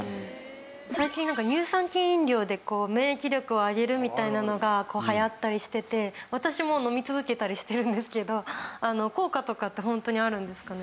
最近なんか乳酸菌飲料で免疫力を上げるみたいなのが流行ったりしてて私も飲み続けたりしてるんですけど効果とかってホントにあるんですかね？